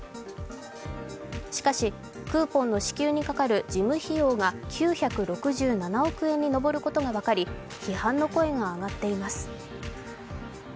しかし、クーポンの支給にかかる事務費用が９６７億円に上ることが分かり批判の声が上がっています。